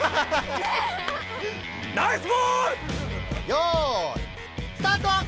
よいスタート！